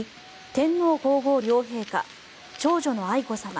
天皇・皇后両陛下長女の愛子さま